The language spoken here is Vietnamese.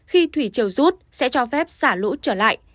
khi thủy chiều rút sẽ cho phép xả lũ trở lại